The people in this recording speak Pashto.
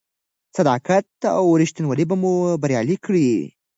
صداقت او رښتینولي به مو بریالي کړي.